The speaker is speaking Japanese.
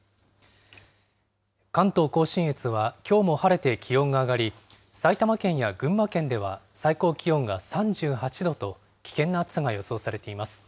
関東甲信越はきょうも晴れて気温が上がり、埼玉県や群馬県では最高気温が３８度と、危険な暑さが予想されています。